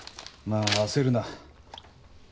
まあ焦るな。